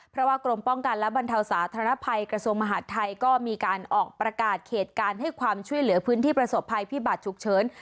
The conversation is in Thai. เพราะว่ากรมป้องกันและบรรเทาสาธารณภัยกระทรวงมหาดไทยก็มีการออกประกาศเขตการให้ความช่วยเหลือพื้นที่ประสบภัยพิบัตรฉุกเฉิน